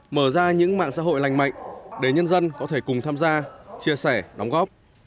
mở ra những mạng xã hội lành mạnh để nhân dân có thể cùng tham gia chia sẻ đóng góp